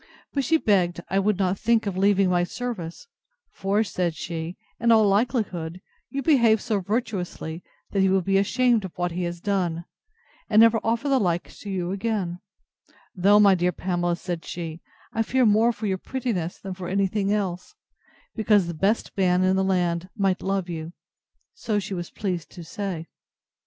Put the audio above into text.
But she begged I would not think of leaving my service; for, said she, in all likelihood, you behaved so virtuously, that he will be ashamed of what he has done, and never offer the like to you again: though, my dear Pamela, said she, I fear more for your prettiness than for anything else; because the best man in the land might love you: so she was pleased to say.